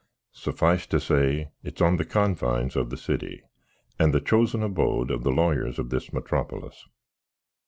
Suffiz to say, it's on the confines of the citty, and the choasen aboad of the lawyers of this metrappolish.